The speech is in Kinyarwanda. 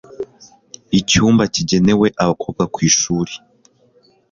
Icyumba kigenewe abakobwa ku ishuri,